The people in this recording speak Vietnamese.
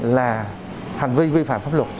là hành vi vi phạm pháp luật